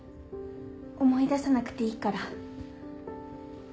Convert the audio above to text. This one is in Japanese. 思い出さなくていいから。